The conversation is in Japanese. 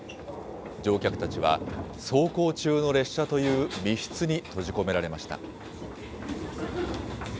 乗客たちは走行中の列車という密室に閉じ込められました。